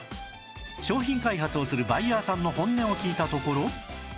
商品開発をするバイヤーさんの本音を聞いたところ